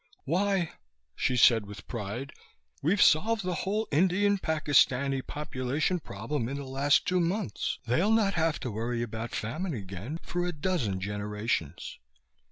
Why," she said with pride, "we've solved the whole Indian Pakistani population problem in the last two months. They'll not have to worry about famine again for a dozen generations!